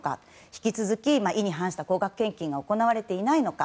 引き続き意に反した高額献金が行われていないのか。